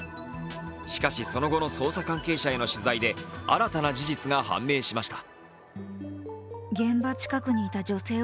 しかし、その後の捜査関係者への取材で、新たな事実が判明しました。